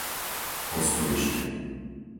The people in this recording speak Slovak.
Kostolište